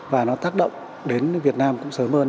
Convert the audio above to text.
và nó tác động đến việt nam cũng sớm hơn